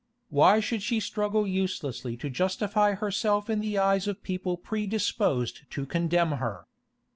Why should she struggle uselessly to justify herself in the eyes of people predisposed to condemn her?